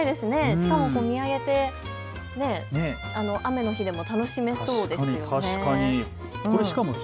見上げて雨の日でも楽しめそうですね。